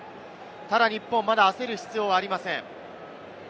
ただ日本、まだ焦る必要はありません。